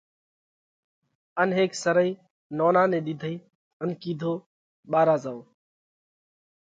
ان هيڪ سرئي نونا نئہ ۮِيڌئي ان ڪِيڌو ٻارا زائو